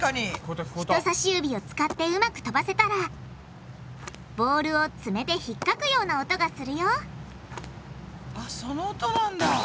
人さし指を使ってうまくとばせたらボールをツメでひっかくような音がするよその音なんだ。